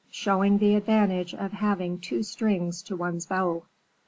Showing the Advantage of Having Two Strings to One's Bow.